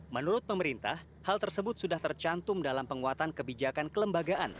menurut pemerintah hal tersebut sudah tercantum dalam penguatan kebijakan kelembagaan